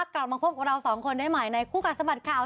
กลับมาพบกับเราสองคนได้ใหม่ในคู่กัดสะบัดข่าว